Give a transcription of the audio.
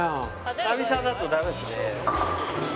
久々だとダメですね。